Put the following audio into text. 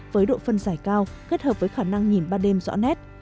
với độ phân giải cao kết hợp với khả năng nhìn ba đêm rõ nét